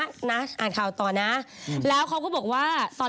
พี่หนิงมาบ่อยนะคะชอบเห็นมั้ยดูมีสาระหน่อย